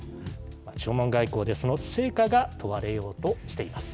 弔問外交でその成果が問われようとしています。